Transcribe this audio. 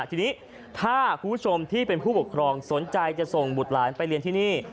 ทีนี้ถ้าคุณผู้ชมที่เป็นผู้ปกครองสนใจจะส่งบุตรหลานไปเรียนที่นี่